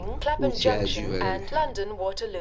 Ur tt-yeɛjib ara lḥal.